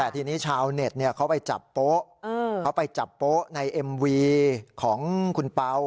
แต่ทีนี้ชาวเน็ตเขาไปจับโป๊ะเขาไปจับโป๊ะในเอ็มวีของคุณเปล่า